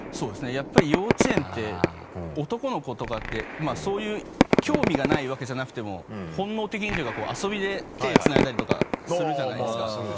やっぱり幼稚園って男の子とかってまぁそういう興味がないわけじゃなくても本能的にというか遊びで手つないだりとかするじゃないですか。